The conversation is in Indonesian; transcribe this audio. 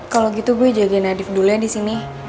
kalau gitu gue jagain nadif dulunya di sini